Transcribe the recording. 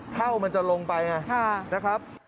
เถ้ามันจะลงไปนะครับ